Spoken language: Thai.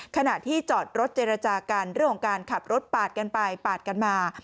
ขณะที่จอดรถเจรจากันเรื่องของการขับรถปาดกันไปปาดกันมา